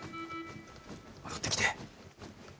戻ってきて。